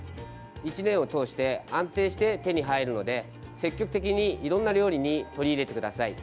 １年を通して安定して手に入るので積極的に、いろんな料理に取り入れてください。